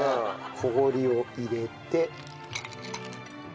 氷を入れて。